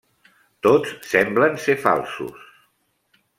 Tos semblen ser falsos.